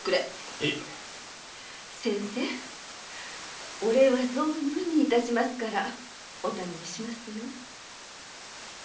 先生お礼は存分に致しますからお頼みしますよ。